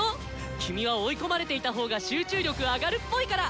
キミは追い込まれていた方が集中力上がるっぽいから！